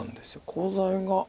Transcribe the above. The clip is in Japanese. コウ材が。